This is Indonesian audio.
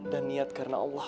dan niat karena allah